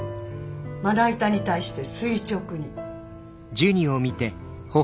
まな板に対して垂直に。